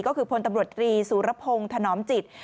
ก็คือพลตำรวจตรีสุรพงศ์ถนอมจิต